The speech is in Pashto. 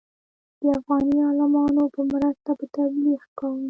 د افغاني عالمانو په مرسته به تبلیغ کوم.